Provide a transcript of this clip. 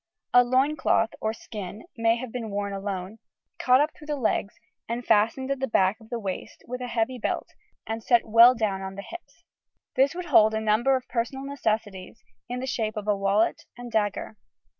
A loin cloth or skin may have been worn alone, caught up through the legs and fastened at the back of the waist with a heavy belt and set well down the hips. This would hold a number of personal necessities, in the shape of a wallet and dagger.